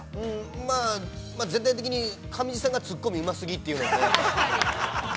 ◆まあ、全体的に上地さんがツッコミうますぎというので。